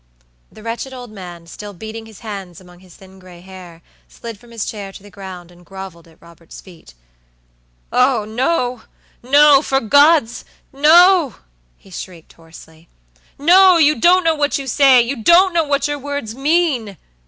The wretched old man, still beating his hands among his thin gray hair, slid from his chair to the ground, and groveled at Robert's feet. "Oh! no, nofor God's, no!" he shrieked hoarsely. "No! you don't know what you sayyou don't know what your words mean!"